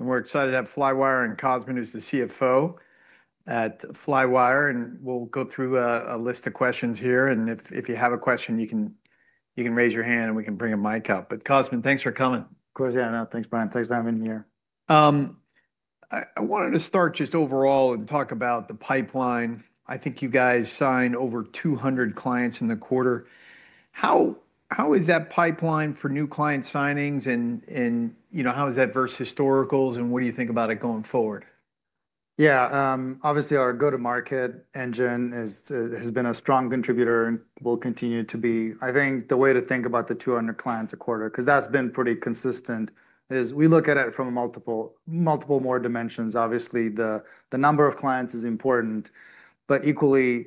We're excited to have Flywire and Cosmin, who's the CFO at Flywire. We'll go through a list of questions here. If you have a question, you can raise your hand and we can bring a mic up. Cosmin, thanks for coming. Of course, yeah. Thanks, Brian. Thanks for having me here. I wanted to start just overall and talk about the pipeline. I think you guys signed over 200 clients in the quarter. How is that pipeline for new client signings? How is that versus historicals? What do you think about it going forward? Yeah. Obviously, our go-to-market engine has been a strong contributor and will continue to be. I think the way to think about the 200 clients a quarter, because that's been pretty consistent, is we look at it from multiple more dimensions. Obviously, the number of clients is important. Equally,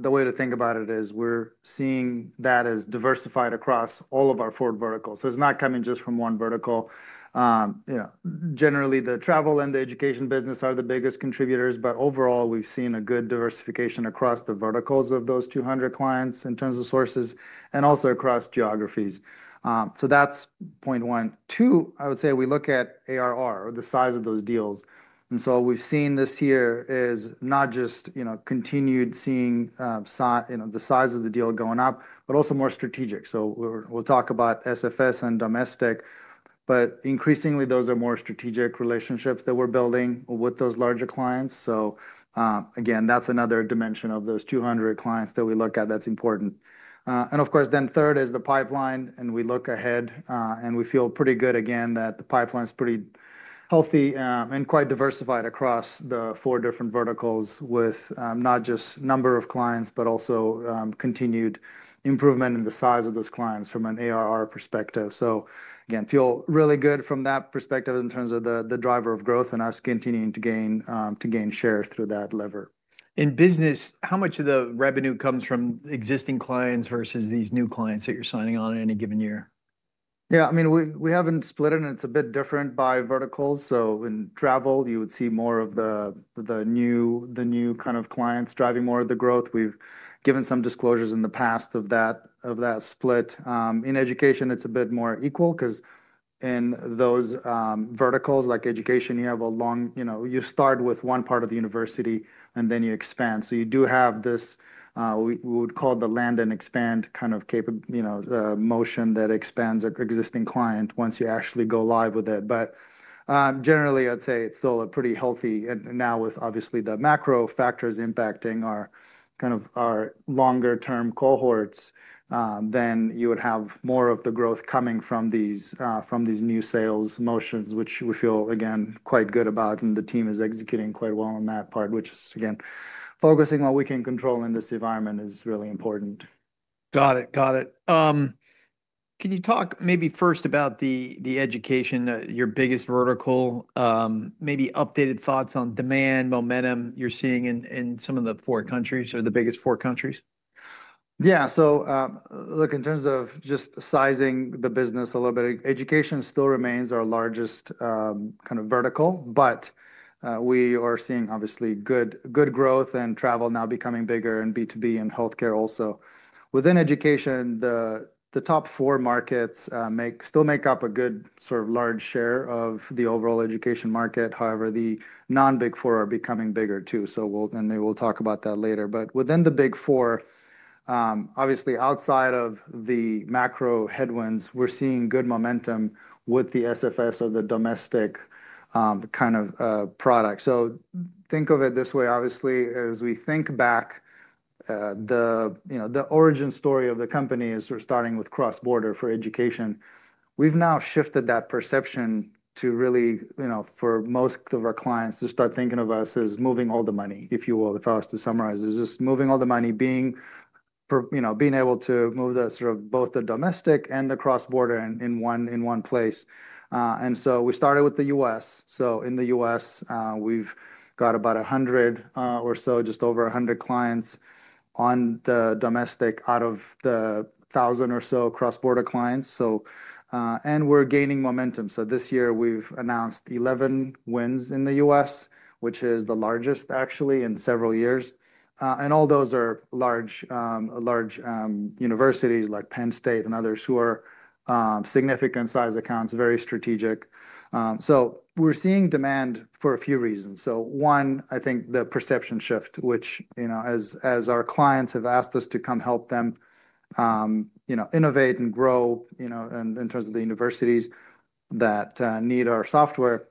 the way to think about it is we're seeing that as diversified across all of our four verticals. It's not coming just from one vertical. Generally, the travel and the education business are the biggest contributors. Overall, we've seen a good diversification across the verticals of those 200 clients in terms of sources and also across geographies. That's point one. Two, I would say we look at ARR, or the size of those deals. What we've seen this year is not just continued seeing the size of the deal going up, but also more strategic. We'll talk about SFS and domestic. Increasingly, those are more strategic relationships that we're building with those larger clients. Again, that's another dimension of those 200 clients that we look at that's important. Of course, third is the pipeline. We look ahead, and we feel pretty good, again, that the pipeline is pretty healthy and quite diversified across the four different verticals with not just a number of clients, but also continued improvement in the size of those clients from an ARR perspective. Again, feel really good from that perspective in terms of the driver of growth and us continuing to gain share through that lever. In business, how much of the revenue comes from existing clients versus these new clients that you're signing on in any given year? Yeah. I mean, we haven't split it. And it's a bit different by verticals. In travel, you would see more of the new kind of clients driving more of the growth. We've given some disclosures in the past of that split. In education, it's a bit more equal because in those verticals like education, you have a long you start with one part of the university, and then you expand. You do have this we would call the land and expand kind of motion that expands an existing client once you actually go live with it. Generally, I'd say it's still a pretty healthy. Now with, obviously, the macro factors impacting kind of our longer-term cohorts, you would have more of the growth coming from these new sales motions, which we feel, again, quite good about. The team is executing quite well on that part, which is, again, focusing on what we can control in this environment is really important. Got it. Got it. Can you talk maybe first about the education, your biggest vertical, maybe updated thoughts on demand momentum you're seeing in some of the four countries or the biggest four countries? Yeah. So look, in terms of just sizing the business a little bit, education still remains our largest kind of vertical. But we are seeing, obviously, good growth and travel now becoming bigger and B2B and health care also. Within education, the top four markets still make up a good sort of large share of the overall education market. However, the non-Big Four are becoming bigger too. We will talk about that later. Within the Big Four, obviously, outside of the macro headwinds, we are seeing good momentum with the SFS or the domestic kind of product. Think of it this way. Obviously, as we think back, the origin story of the company is we are starting with cross-border for education. We have now shifted that perception to really, for most of our clients, to start thinking of us as moving all the money, if you will. If I was to summarize, it's just moving all the money, being able to move both the domestic and the cross-border in one place. We started with the U.S. In the U.S., we've got about 100 or so, just over 100 clients on the domestic out of the 1,000 or so cross-border clients. We're gaining momentum. This year, we've announced 11 wins in the U.S., which is the largest, actually, in several years. All those are large universities like Penn State and others who are significant size accounts, very strategic. We're seeing demand for a few reasons. One, I think the perception shift, which as our clients have asked us to come help them innovate and grow in terms of the universities that need our software.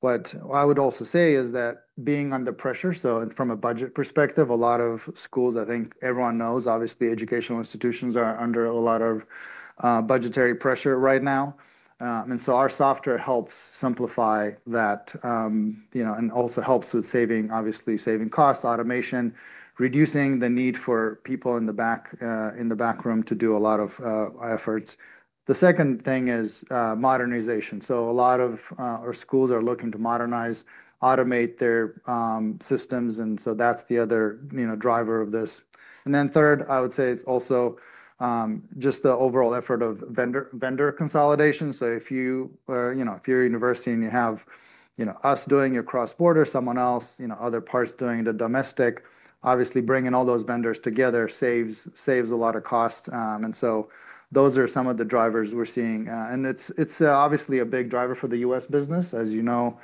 What I would also say is that being under pressure, from a budget perspective, a lot of schools, I think everyone knows, obviously, educational institutions are under a lot of budgetary pressure right now. Our software helps simplify that and also helps with, obviously, saving costs, automation, reducing the need for people in the back room to do a lot of efforts. The second thing is modernization. A lot of our schools are looking to modernize, automate their systems. That is the other driver of this. Third, I would say it is also just the overall effort of vendor consolidation. If you are a university and you have us doing your cross-border, someone else, other parts doing the domestic, obviously, bringing all those vendors together saves a lot of cost. Those are some of the drivers we are seeing. It is obviously a big driver for the U.S. business. As you know,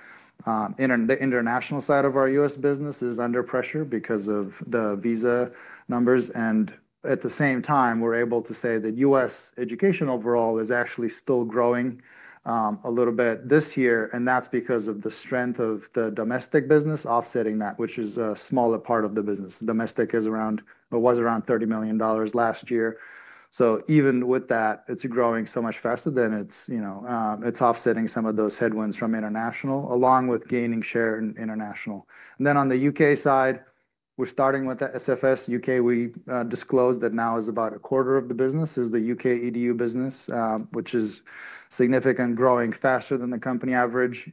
the international side of our U.S. business is under pressure because of the visa numbers. At the same time, we are able to say that U.S. education overall is actually still growing a little bit this year. That is because of the strength of the domestic business offsetting that, which is a smaller part of the business. Domestic was around $30 million last year. Even with that, it is growing so much faster that it is offsetting some of those headwinds from international along with gaining share in international. On the U.K. side, we are starting with the SFS. U.K., we disclosed that now about a quarter of the business is the U.K. EDU business, which is significantly growing faster than the company average.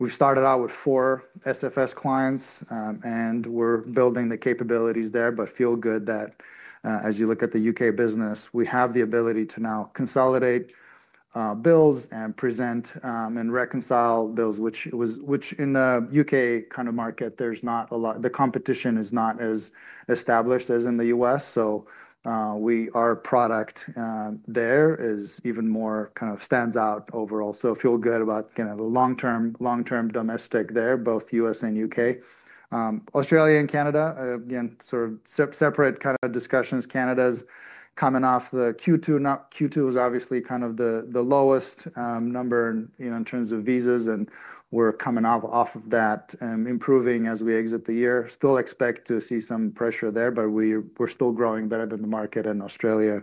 We have started out with four SFS clients. We're building the capabilities there. Feel good that as you look at the U.K. business, we have the ability to now consolidate bills and present and reconcile bills, which in the U.K. kind of market, there's not a lot—the competition is not as established as in the U.S. Our product there even more kind of stands out overall. Feel good about kind of the long-term domestic there, both U.S. and U.K. Australia and Canada, again, sort of separate kind of discussions. Canada's coming off the Q2. Q2 is obviously kind of the lowest number in terms of visas. We're coming off of that and improving as we exit the year. Still expect to see some pressure there. We're still growing better than the market. Australia,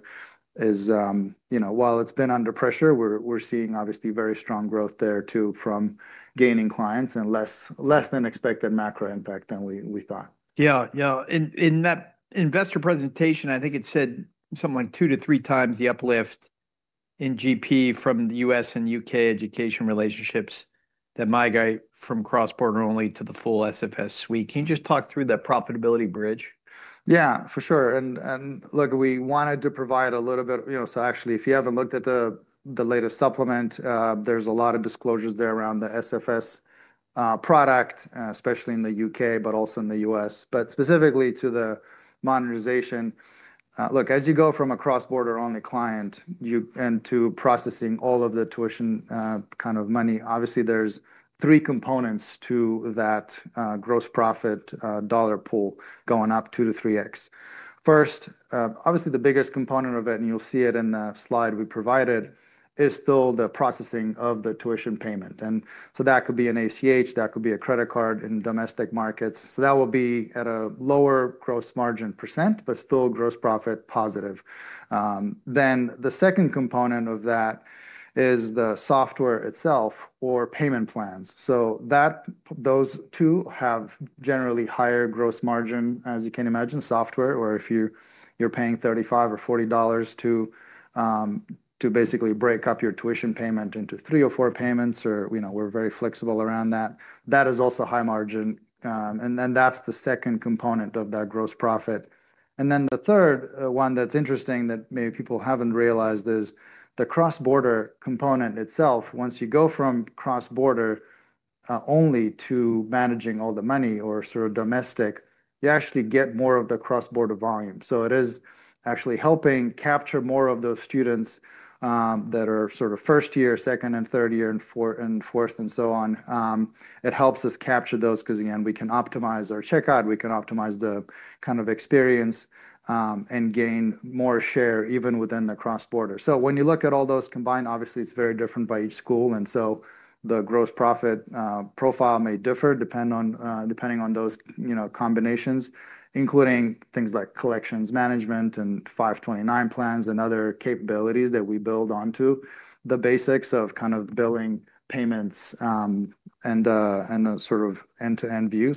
while it's been under pressure, we're seeing, obviously, very strong growth there too from gaining clients and less than expected macro impact than we thought. Yeah. Yeah. In that investor presentation, I think it said something like two to three times the uplift in GP from the U.S. and U.K. education relationships that migrate from cross-border only to the full SFS suite. Can you just talk through that profitability bridge? Yeah, for sure. Look, we wanted to provide a little bit, so actually, if you have not looked at the latest supplement, there is a lot of disclosures there around the SFS product, especially in the U.K., but also in the U.S. Specifically to the modernization, look, as you go from a cross-border only client to processing all of the tuition kind of money, obviously, there are three components to that gross profit dollar pool going up two to three X. First, obviously, the biggest component of it, and you will see it in the slide we provided, is still the processing of the tuition payment. That could be an ACH. That could be a credit card in domestic markets. That will be at a lower gross margin percent, but still gross profit positive. The second component of that is the software itself or payment plans. Those two have generally higher gross margin, as you can imagine, software. If you're paying $35 or $40 to basically break up your tuition payment into three or four payments, or we're very flexible around that, that is also high margin. That is the second component of that gross profit. The third one that's interesting that maybe people haven't realized is the cross-border component itself. Once you go from cross-border only to managing all the money or sort of domestic, you actually get more of the cross-border volume. It is actually helping capture more of those students that are sort of first year, second, and third year, and fourth, and so on. It helps us capture those because, again, we can optimize our checkout. We can optimize the kind of experience and gain more share even within the cross-border. When you look at all those combined, obviously, it's very different by each school. The gross profit profile may differ depending on those combinations, including things like collections management and 529 plans and other capabilities that we build onto the basics of kind of billing payments and a sort of end-to-end view.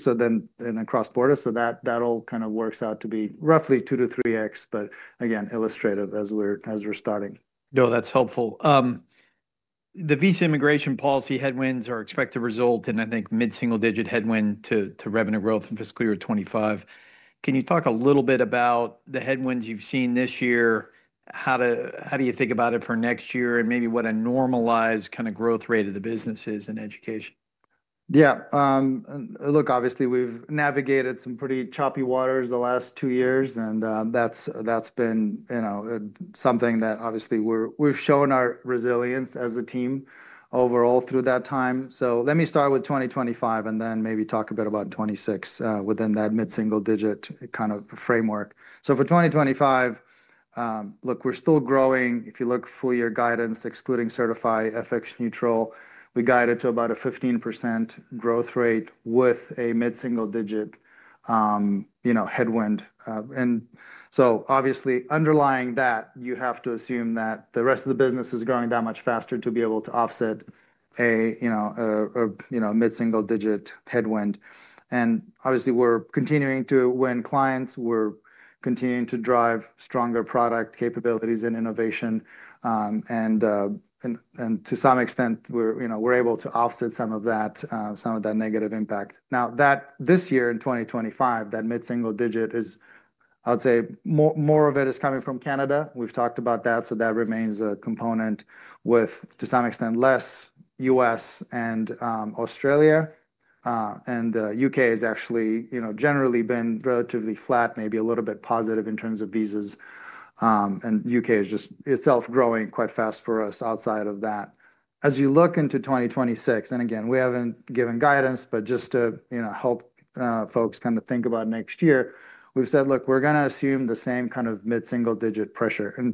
In a cross-border, that all kind of works out to be roughly 2-3X, but again, illustrative as we're starting. No, that's helpful. The visa immigration policy headwinds are expected to result in, I think, mid-single-digit headwind to revenue growth in fiscal year 2025. Can you talk a little bit about the headwinds you've seen this year? How do you think about it for next year and maybe what a normalized kind of growth rate of the business is in education? Yeah. Look, obviously, we've navigated some pretty choppy waters the last two years. That's been something that, obviously, we've shown our resilience as a team overall through that time. Let me start with 2025 and then maybe talk a bit about 2026 within that mid-single-digit kind of framework. For 2025, look, we're still growing. If you look full year guidance, excluding Certify FX-neutral, we guided to about a 15% growth rate with a mid-single-digit headwind. Obviously, underlying that, you have to assume that the rest of the business is growing that much faster to be able to offset a mid-single-digit headwind. Obviously, we're continuing to win clients. We're continuing to drive stronger product capabilities and innovation. To some extent, we're able to offset some of that negative impact. Now, this year in 2025, that mid-single-digit, I would say more of it is coming from Canada. We've talked about that. That remains a component with, to some extent, less U.S. and Australia. The U.K. has actually generally been relatively flat, maybe a little bit positive in terms of visas. U.K. is just itself growing quite fast for us outside of that. As you look into 2026, and again, we haven't given guidance, but just to help folks kind of think about next year, we've said, look, we're going to assume the same kind of mid-single-digit pressure.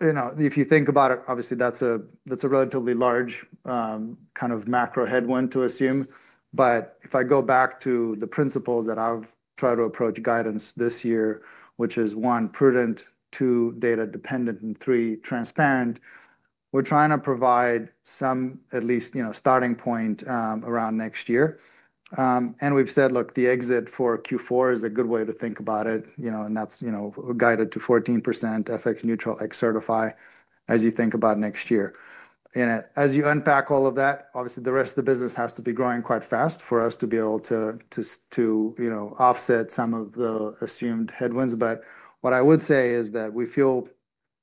If you think about it, obviously, that's a relatively large kind of macro headwind to assume. If I go back to the principles that I've tried to approach guidance this year, which is, one, prudent, two, data dependent, and three, transparent, we're trying to provide some at least starting point around next year. We've said, look, the exit for Q4 is a good way to think about it. That's guided to 14% FX neutral, X Certify as you think about next year. As you unpack all of that, obviously, the rest of the business has to be growing quite fast for us to be able to offset some of the assumed headwinds. What I would say is that we feel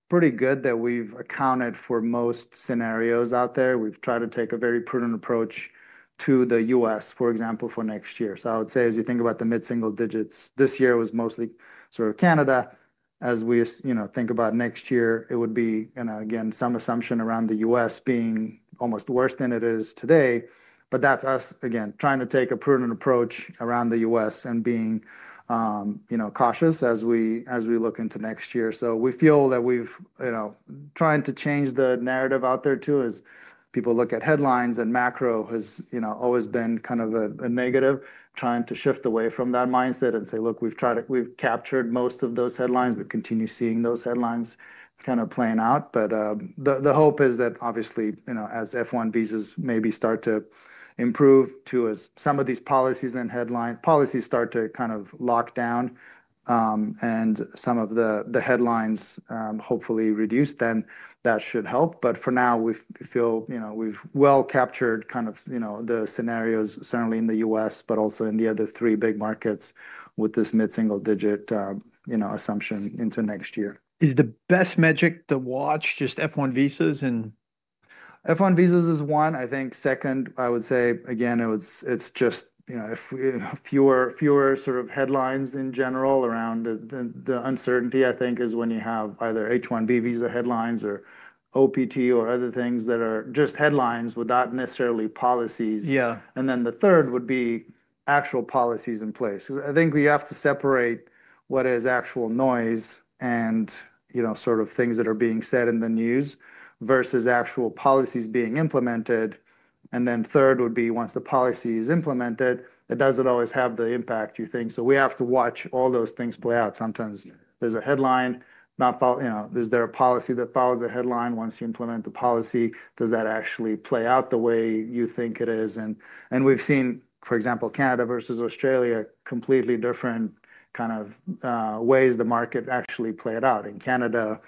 pretty good that we've accounted for most scenarios out there. We've tried to take a very prudent approach to the U.S., for example, for next year. I would say as you think about the mid-single digits, this year was mostly sort of Canada. As we think about next year, it would be, again, some assumption around the U.S. being almost worse than it is today. That is us, again, trying to take a prudent approach around the U.S. and being cautious as we look into next year. We feel that we are trying to change the narrative out there too as people look at headlines. Macro has always been kind of a negative, trying to shift away from that mindset and say, look, we have captured most of those headlines. We continue seeing those headlines kind of playing out. The hope is that, obviously, as F1 visas maybe start to improve to some of these policies and policies start to kind of lock down and some of the headlines hopefully reduce, then that should help. For now, we feel we've well captured kind of the scenarios, certainly in the U.S., but also in the other three big markets with this mid-single-digit assumption into next year. Is the best metric to watch just F1 visas? F1 visas is one. I think second, I would say, again, it's just fewer sort of headlines in general around the uncertainty, I think, is when you have either H1B visa headlines or OPT or other things that are just headlines without necessarily policies. The third would be actual policies in place. Because I think we have to separate what is actual noise and sort of things that are being said in the news versus actual policies being implemented. Then third would be once the policy is implemented, it doesn't always have the impact you think. We have to watch all those things play out. Sometimes there's a headline. Is there a policy that follows the headline? Once you implement the policy, does that actually play out the way you think it is? We have seen, for example, Canada versus Australia, completely different kind of ways the market actually played out. In Canada,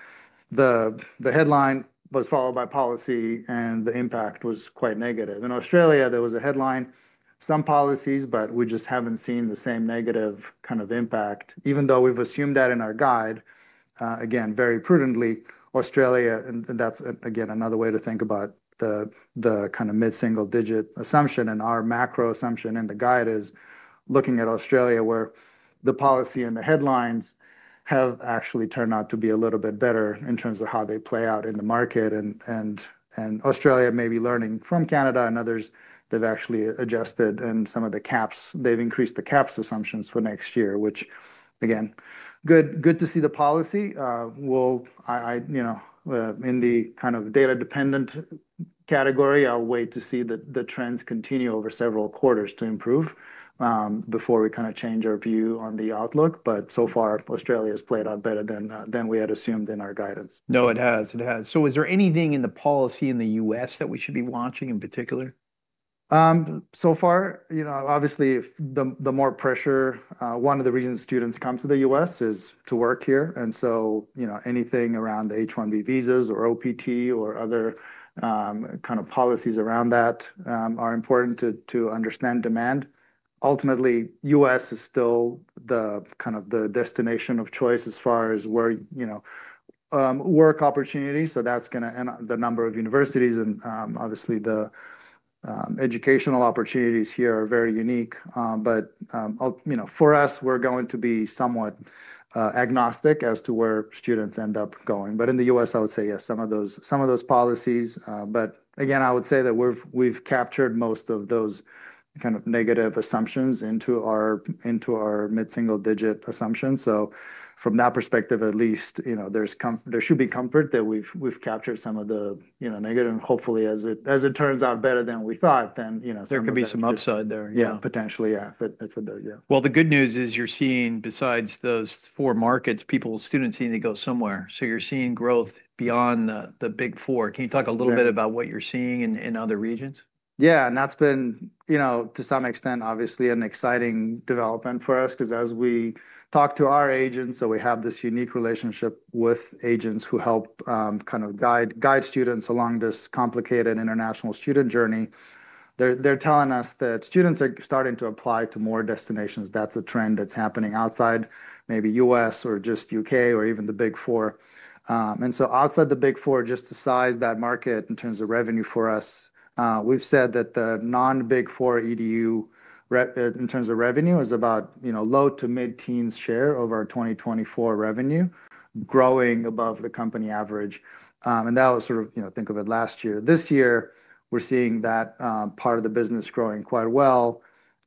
the headline was followed by policy, and the impact was quite negative. In Australia, there was a headline, some policies, but we just have not seen the same negative kind of impact. Even though we have assumed that in our guide, again, very prudently, Australia, and that is, again, another way to think about the kind of mid-single-digit assumption. Our macro assumption in the guide is looking at Australia where the policy and the headlines have actually turned out to be a little bit better in terms of how they play out in the market. Australia may be learning from Canada. Others, they have actually adjusted in some of the caps. They have increased the caps assumptions for next year, which, again, good to see the policy. In the kind of data-dependent category, I'll wait to see the trends continue over several quarters to improve before we kind of change our view on the outlook. So far, Australia has played out better than we had assumed in our guidance. No, it has. It has. Is there anything in the policy in the U.S. that we should be watching in particular? Obviously, the more pressure, one of the reasons students come to the U.S. is to work here. Anything around the H1B visas or OPT or other kind of policies around that are important to understand demand. Ultimately, U.S. is still kind of the destination of choice as far as work opportunities. That is going to, and the number of universities and obviously the educational opportunities here are very unique. For us, we are going to be somewhat agnostic as to where students end up going. In the U.S., I would say, yes, some of those policies. Again, I would say that we have captured most of those kind of negative assumptions into our mid-single-digit assumptions. From that perspective, at least, there should be comfort that we have captured some of the negative. Hopefully, as it turns out better than we thought, then something like that. There could be some upside there. Yeah, potentially. Yeah. The good news is you're seeing, besides those four markets, people, students need to go somewhere. So you're seeing growth beyond The Big Four. Can you talk a little bit about what you're seeing in other regions? Yeah. That has been, to some extent, obviously, an exciting development for us because as we talk to our agents, we have this unique relationship with agents who help kind of guide students along this complicated international student journey. They are telling us that students are starting to apply to more destinations. That is a trend that is happening outside maybe the U.S. or just the U.K. or even The Big Four. Outside The Big Four, just to size that market in terms of revenue for us, we have said that the non-Big Four EDU in terms of revenue is about low to mid-teens share over our 2024 revenue, growing above the company average. That was sort of, think of it last year. This year, we are seeing that part of the business growing quite well.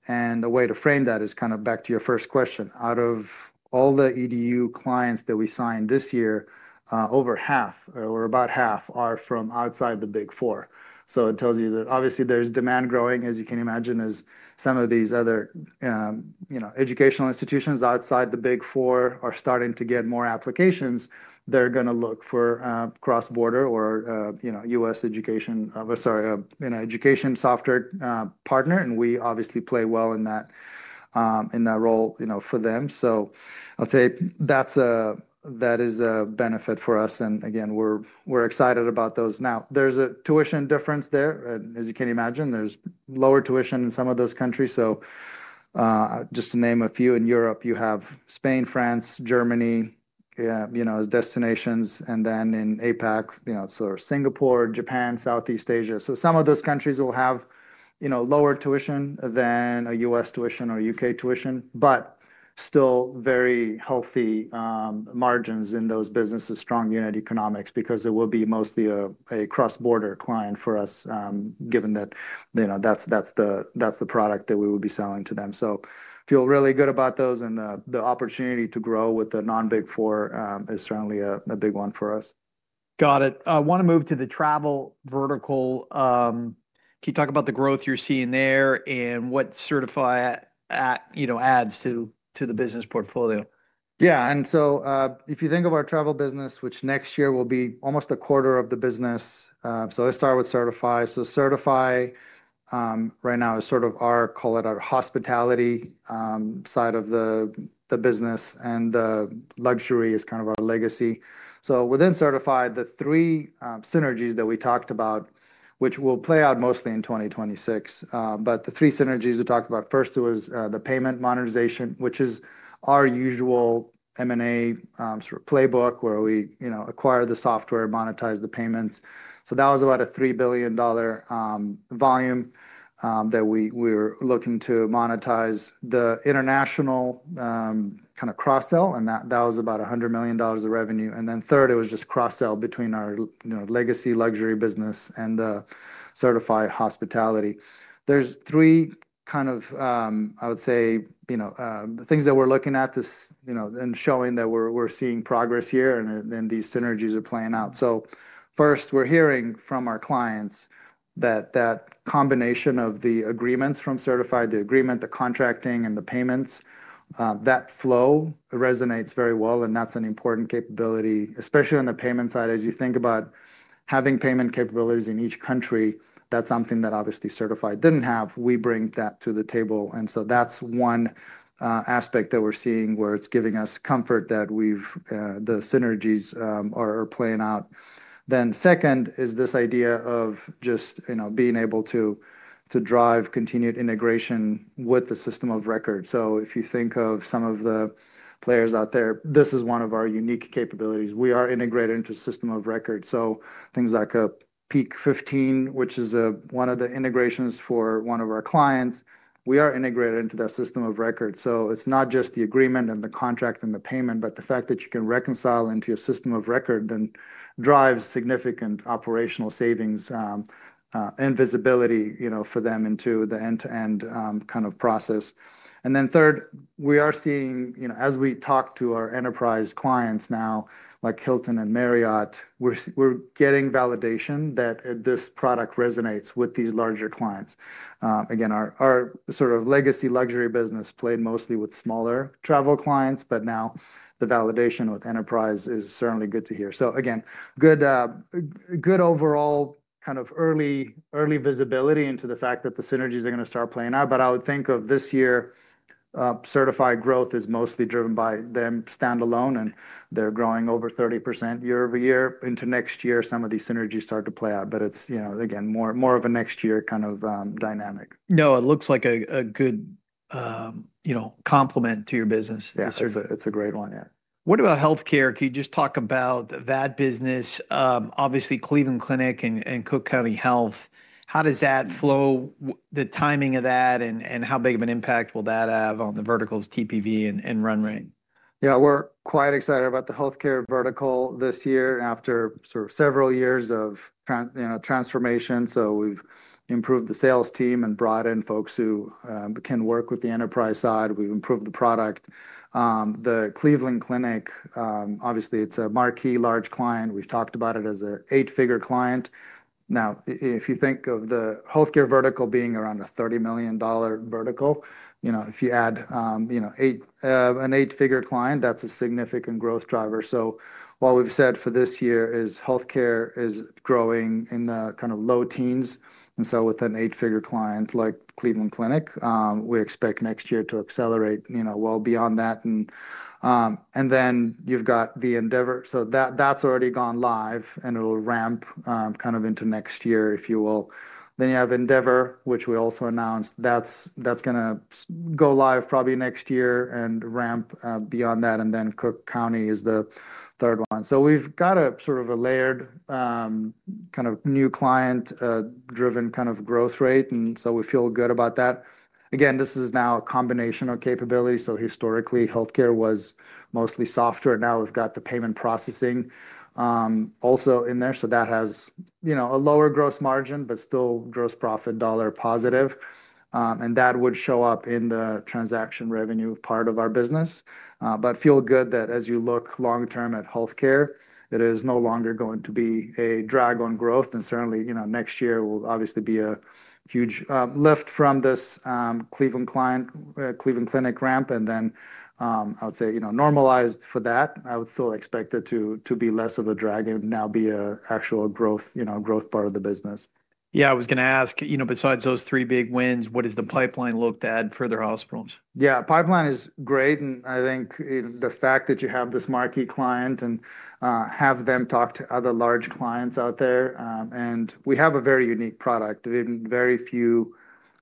A way to frame that is kind of back to your first question. Out of all the EDU clients that we signed this year, over half or about half are from outside The Big Four. It tells you that obviously there's demand growing, as you can imagine, as some of these other educational institutions outside The Big Four are starting to get more applications. They're going to look for cross-border or U.S. education, sorry, an education software partner. We obviously play well in that role for them. I'll say that is a benefit for us. Again, we're excited about those. Now, there's a tuition difference there. As you can imagine, there's lower tuition in some of those countries. Just to name a few, in Europe, you have Spain, France, Germany as destinations. In APAC, it's Singapore, Japan, Southeast Asia. Some of those countries will have lower tuition than a U.S. tuition or U.K. tuition, but still very healthy margins in those businesses, strong unit economics, because it will be mostly a cross-border client for us, given that that is the product that we would be selling to them. Feel really good about those. The opportunity to grow with the non-Big Four is certainly a big one for us. Got it. I want to move to the travel vertical. Can you talk about the growth you're seeing there and what Certify adds to the business portfolio? Yeah. If you think of our travel business, which next year will be almost a quarter of the business, let's start with Certify. Certify right now is sort of our, call it our hospitality side of the business. The luxury is kind of our legacy. Within Certify, the three synergies that we talked about, which will play out mostly in 2026, the three synergies we talked about, first was the payment monetization, which is our usual M&A sort of playbook where we acquire the software, monetize the payments. That was about a $3 billion volume that we were looking to monetize, the international kind of cross-sell. That was about $100 million of revenue. Third, it was just cross-sell between our legacy luxury business and the Certify hospitality. are three kind of, I would say, things that we're looking at and showing that we're seeing progress here. These synergies are playing out. First, we're hearing from our clients that that combination of the agreements from Certify, the agreement, the contracting, and the payments, that flow resonates very well. That is an important capability, especially on the payment side. As you think about having payment capabilities in each country, that is something that obviously Certify did not have. We bring that to the table. That is one aspect that we're seeing where it is giving us comfort that the synergies are playing out. Second is this idea of just being able to drive continued integration with the system of record. If you think of some of the players out there, this is one of our unique capabilities. We are integrated into the system of record. Things like a Peak 15, which is one of the integrations for one of our clients, we are integrated into that system of record. It is not just the agreement and the contract and the payment, but the fact that you can reconcile into your system of record then drives significant operational savings and visibility for them into the end-to-end kind of process. Third, we are seeing, as we talk to our enterprise clients now, like Hilton and Marriott, we are getting validation that this product resonates with these larger clients. Again, our sort of legacy luxury business played mostly with smaller travel clients, but now the validation with enterprise is certainly good to hear. Good overall kind of early visibility into the fact that the synergies are going to start playing out. I would think of this year, Certify growth is mostly driven by them standalone, and they're growing over 30% year over year. Into next year, some of these synergies start to play out. It is, again, more of a next year kind of dynamic. No, it looks like a good complement to your business. Yes, it's a great one, yeah. What about healthcare? Can you just talk about that business? Obviously, Cleveland Clinic and Cook County Health. How does that flow, the timing of that, and how big of an impact will that have on the vertical's TPV and run rate? Yeah, we're quite excited about the healthcare vertical this year after sort of several years of transformation. We've improved the sales team and brought in folks who can work with the enterprise side. We've improved the product. The Cleveland Clinic, obviously, it's a marquee large client. We've talked about it as an eight-figure client. Now, if you think of the healthcare vertical being around a $30 million vertical, if you add an eight-figure client, that's a significant growth driver. What we've said for this year is healthcare is growing in the kind of low teens. With an eight-figure client like Cleveland Clinic, we expect next year to accelerate well beyond that. You've got the Endeavor. That's already gone live, and it'll ramp kind of into next year, if you will. Then you have Endeavor, which we also announced. That's going to go live probably next year and ramp beyond that. Cook County is the third one. We have a sort of a layered kind of new client-driven kind of growth rate. We feel good about that. Again, this is now a combination of capability. Historically, healthcare was mostly software. Now we have the payment processing also in there. That has a lower gross margin, but still gross profit dollar positive. That would show up in the transaction revenue part of our business. We feel good that as you look long term at healthcare, it is no longer going to be a drag on growth. Certainly, next year will obviously be a huge lift from this Cleveland Clinic ramp. I would say normalized for that, I would still expect it to be less of a drag and now be an actual growth part of the business. Yeah, I was going to ask, besides those three big wins, what does the pipeline look at for their hospitals? Yeah, pipeline is great. I think the fact that you have this marquee client and have them talk to other large clients out there. We have a very unique product. Very few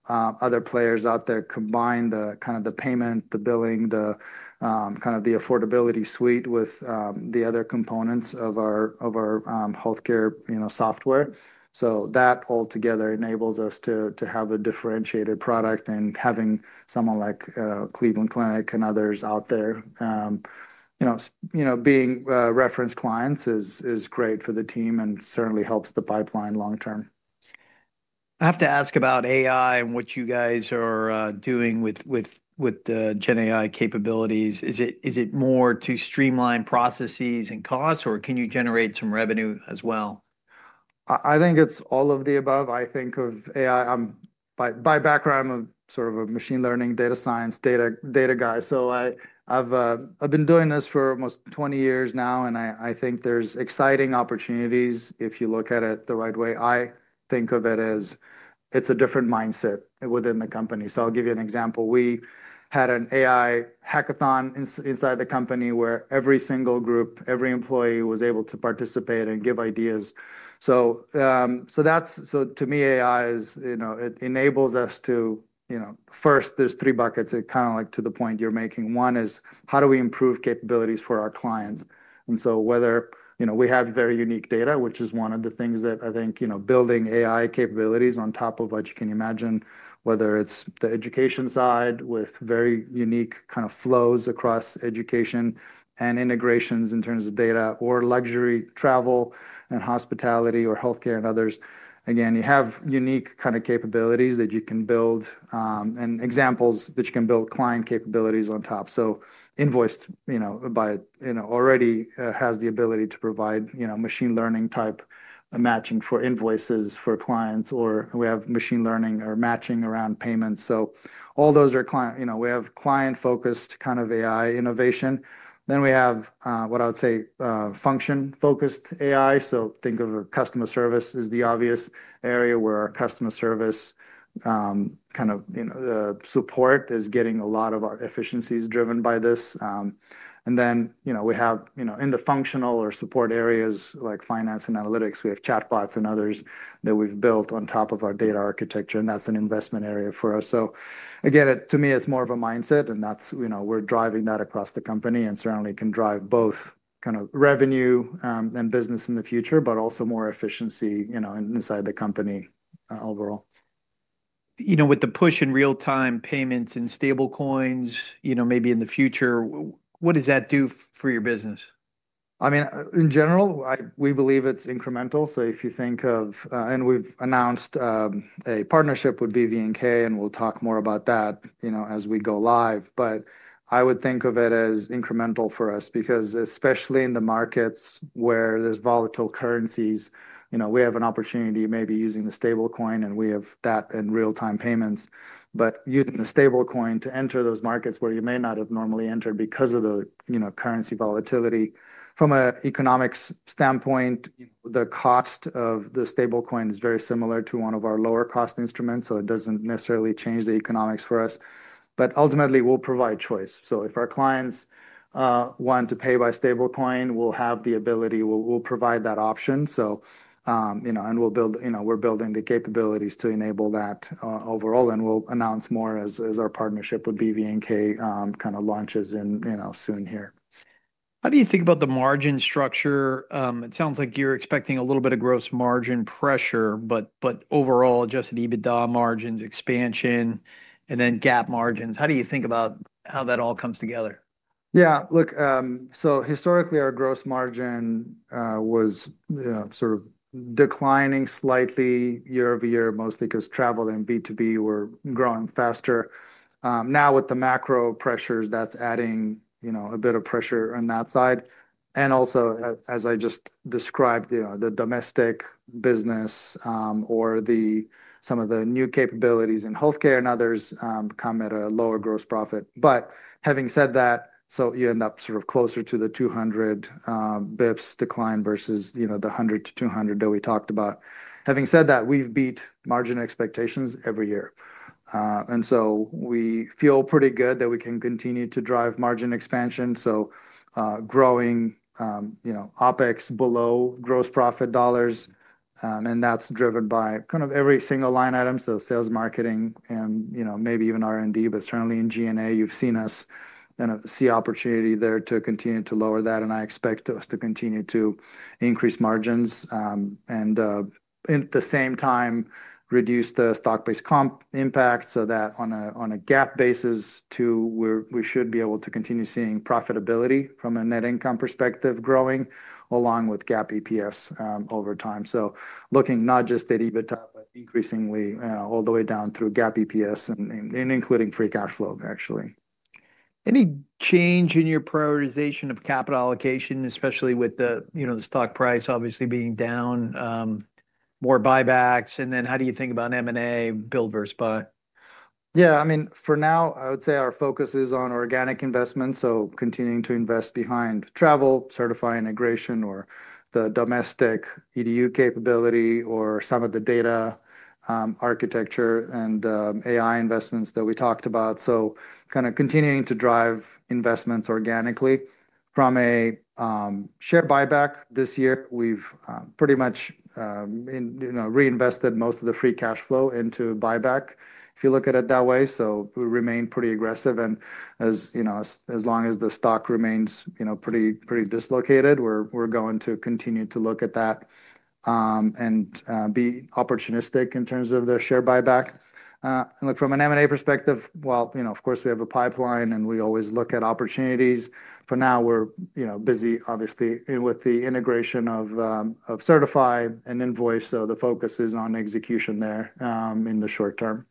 other players out there combine the kind of the payment, the billing, the kind of the affordability suite with the other components of our healthcare software. That altogether enables us to have a differentiated product. Having someone like Cleveland Clinic and others out there being reference clients is great for the team and certainly helps the pipeline long term. I have to ask about AI and what you guys are doing with the GenAI capabilities. Is it more to streamline processes and costs, or can you generate some revenue as well? I think it's all of the above. I think of AI, by background, I'm sort of a machine learning, data science, data guy. So I've been doing this for almost 20 years now. I think there's exciting opportunities if you look at it the right way. I think of it as it's a different mindset within the company. I'll give you an example. We had an AI hackathon inside the company where every single group, every employee was able to participate and give ideas. To me, AI, it enables us to, first, there's three buckets. It kind of like to the point you're making. One is how do we improve capabilities for our clients? Whether we have very unique data, which is one of the things that I think building AI capabilities on top of what you can imagine, whether it is the education side with very unique kind of flows across education and integrations in terms of data or luxury travel and hospitality or healthcare and others, you have unique kind of capabilities that you can build and examples that you can build client capabilities on top. Invoiced by it already has the ability to provide machine learning type matching for invoices for clients. Or we have machine learning or matching around payments. All those are client. We have client-focused kind of AI innovation. We have what I would say function-focused AI. Think of customer service as the obvious area where our customer service kind of support is getting a lot of our efficiencies driven by this. We have in the functional or support areas like finance and analytics, we have chatbots and others that we've built on top of our data architecture. That's an investment area for us. Again, to me, it's more of a mindset. We're driving that across the company and certainly can drive both kind of revenue and business in the future, but also more efficiency inside the company overall. With the push in real-time payments and Stablecoins, maybe in the future, what does that do for your business? I mean, in general, we believe it's incremental. If you think of, and we've announced a partnership with BVNK, and we'll talk more about that as we go live. I would think of it as incremental for us because especially in the markets where there's volatile currencies, we have an opportunity maybe using the Stablecoin. We have that in real-time payments. Using the Stablecoin to enter those markets where you may not have normally entered because of the currency volatility. From an economics standpoint, the cost of the Stablecoin is very similar to one of our lower-cost instruments. It doesn't necessarily change the economics for us. Ultimately, we'll provide choice. If our clients want to pay by Stablecoin, we'll have the ability. We'll provide that option. We're building the capabilities to enable that overall. We will announce more as our partnership with BVNK kind of launches soon here. How do you think about the margin structure? It sounds like you're expecting a little bit of gross margin pressure, but overall, adjusted EBITDA margins, expansion, and then GAAP margins. How do you think about how that all comes together? Yeah, look, so historically, our gross margin was sort of declining slightly year over year, mostly because travel and B2B were growing faster. Now with the macro pressures, that's adding a bit of pressure on that side. Also, as I just described, the domestic business or some of the new capabilities in healthcare and others come at a lower gross profit. Having said that, you end up sort of closer to the 200 basis points decline versus the 100-200 that we talked about. Having said that, we've beat margin expectations every year. We feel pretty good that we can continue to drive margin expansion. Growing OPEX below gross profit dollars, and that's driven by kind of every single line item. Sales, marketing, and maybe even R&D. Certainly in G&A, you've seen us see opportunity there to continue to lower that. I expect us to continue to increase margins and at the same time reduce the stock-based comp impact so that on a GAAP basis, too, we should be able to continue seeing profitability from a net income perspective growing along with GAAP EPS over time. Looking not just at EBITDA, but increasingly all the way down through GAAP EPS and including free cash flow, actually. Any change in your prioritization of capital allocation, especially with the stock price obviously being down, more buybacks? How do you think about M&A, build, versus? Yeah, I mean, for now, I would say our focus is on organic investments. So continuing to invest behind travel, Certify integration, or the domestic EDU capability or some of the data architecture and AI investments that we talked about. So kind of continuing to drive investments organically. From a share buyback this year, we've pretty much reinvested most of the free cash flow into buyback, if you look at it that way. We remain pretty aggressive. As long as the stock remains pretty dislocated, we're going to continue to look at that and be opportunistic in terms of the share buyback. Look, from an M&A perspective, of course, we have a pipeline, and we always look at opportunities. For now, we're busy, obviously, with the integration of Certify and Invoice. The focus is on execution there in the short term.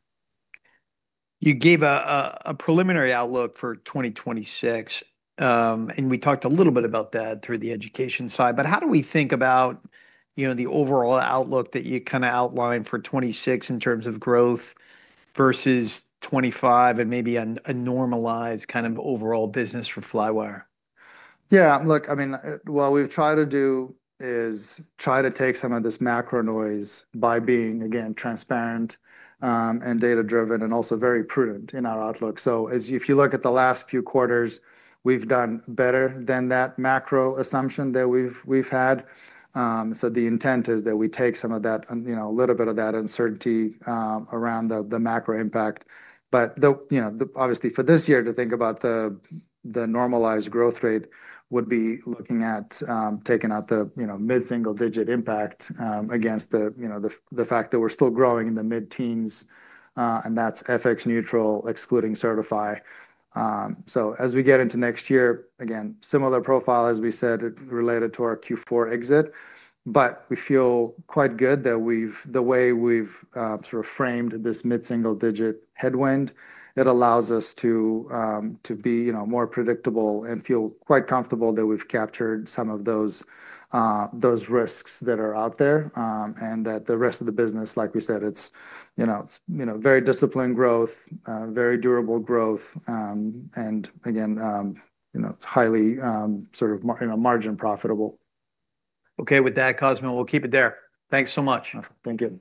You gave a preliminary outlook for 2026. We talked a little bit about that through the education side. How do we think about the overall outlook that you kind of outlined for 2026 in terms of growth versus 2025 and maybe a normalized kind of overall business for Flywire? Yeah, look, I mean, what we've tried to do is try to take some of this macro noise by being, again, transparent and data-driven and also very prudent in our outlook. If you look at the last few quarters, we've done better than that macro assumption that we've had. The intent is that we take some of that, a little bit of that uncertainty around the macro impact. Obviously, for this year, to think about the normalized growth rate would be looking at taking out the mid-single-digit impact against the fact that we're still growing in the mid-teens. That's FX-neutral, excluding Certify. As we get into next year, again, similar profile, as we said, related to our Q4 exit. We feel quite good that the way we've sort of framed this mid-single-digit headwind, it allows us to be more predictable and feel quite comfortable that we've captured some of those risks that are out there. The rest of the business, like we said, it's very disciplined growth, very durable growth. Again, it's highly sort of margin profitable. Okay, with that, Cosmin. We'll keep it there. Thanks so much. Thank you.